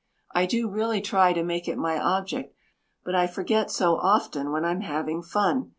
I do really try to make it my object but I forget so often when I'm having fun.